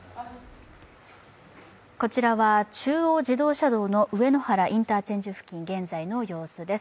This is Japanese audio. こちらは中央自動車道の上野原インターチェンジ付近、現在の様子です。